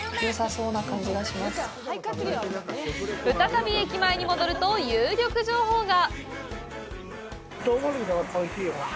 再び駅前に戻ると、有力情報が！